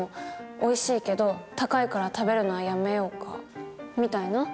「おいしいけど高いから食べるのはやめようか」みたいな。